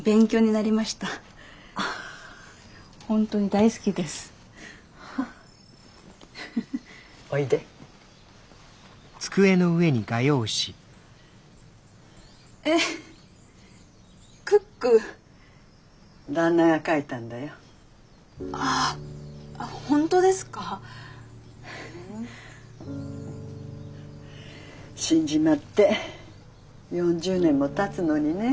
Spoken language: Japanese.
死んじまって４０年もたつのにねえ。